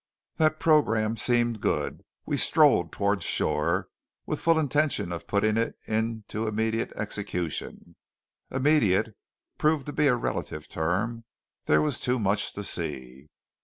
That program seemed good. We strolled toward shore, with full intention of putting it into immediate execution. "Immediate" proved to be a relative term; there was too much to see.